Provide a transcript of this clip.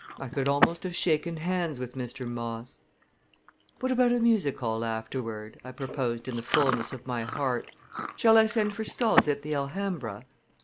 I could almost have shaken hands with Mr. Moss! "What about a music hall afterward?" I proposed in the fullness of my heart. "Shall I send for stalls at the Alhambra?"